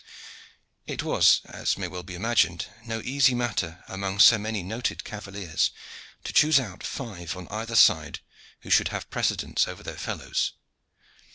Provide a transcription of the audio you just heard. It was, as may well be imagined, no easy matter among so many noted cavaliers to choose out five on either side who should have precedence over their fellows.